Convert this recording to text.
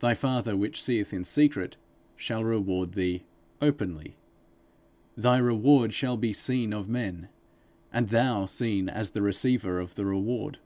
'Thy father, which seeth in secret, shall reward thee openly.' _Thy reward shall be seen of men! and thou seen as the receiver of the reward!